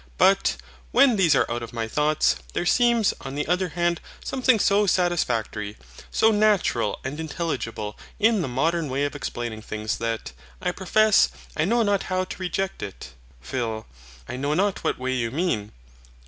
But, when these are out of my thoughts, there seems, on the other hand, something so satisfactory, so natural and intelligible, in the modern way of explaining things that, I profess, I know not how to reject it. PHIL. I know not what way you mean.